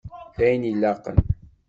D ayen ilaqen.